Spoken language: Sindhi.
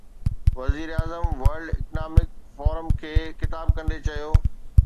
وزيراعظم ورلڊ اڪنامڪ فورم کي خطاب ڪندي چيو.